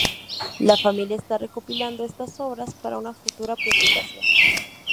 La familia está recopilando estas obras para una futura publicación.